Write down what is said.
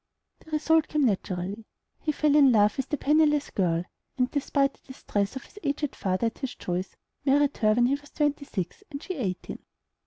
The result came naturally; he fell in love with the penniless girl, and, despite the distress of his aged father at his choice, married her when he was twenty six and she eighteen.